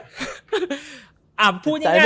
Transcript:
อ่ามพูดง่ายเลยนะ